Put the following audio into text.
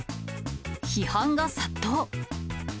批判が殺到。